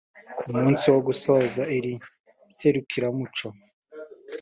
Ku munsi wo gusoza iri serukiramuco